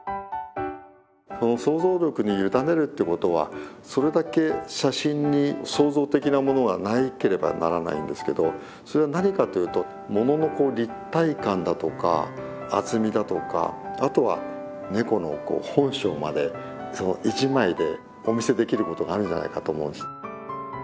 想像力に委ねるってことはそれだけ写真に創造的なものがなければならないんですけどそれは何かというとものの立体感だとか厚みだとかあとはネコの本性まで１枚でお見せできることがあるんじゃないかと思うんです。